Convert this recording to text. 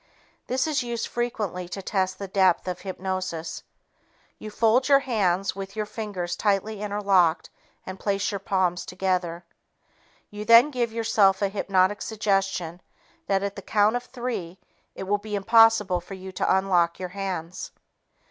This is used frequently to test the depth of hypnosis. You fold your hands with your fingers tightly interlocked and place your palms together. You then give yourself a hypnotic suggestion that at the count of three, it will be impossible for you to unlock your hands.